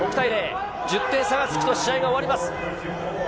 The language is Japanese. １０点差がつくと、試合が終わります。